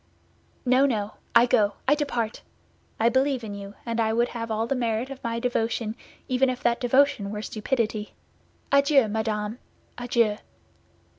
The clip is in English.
"No, no; I go, I depart! I believe in you, and I would have all the merit of my devotion, even if that devotion were stupidity. Adieu, madame, adieu!"